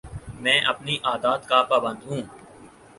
میں اپنی عادات کا پابند ہوں